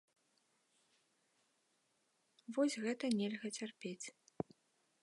Вось гэта нельга цярпець.